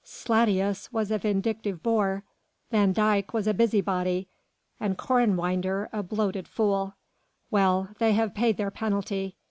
Slatius was a vindictive boor, van Dyk was a busy body and Korenwinder a bloated fool. Well! they have paid their penalty.